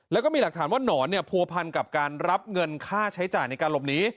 แล้วก็มีหลักฐานว่าหนอนเนี่ยผัวพันกับการรับเงินค่าใช้จ่ายในการหลบหนี